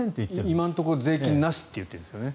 今のところ税金なしと言ってるんですね。